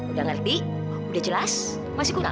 udah ngerti udah jelas masih kurang